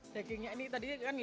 dagingnya ini tadi kan